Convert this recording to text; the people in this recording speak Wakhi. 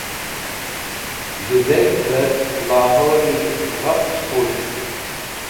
Z̃hu Dheg̃hver Laore ghafch Khus̃h